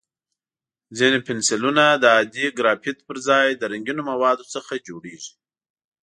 ځینې پنسلونه د عادي ګرافیت پر ځای د رنګینو موادو څخه جوړېږي.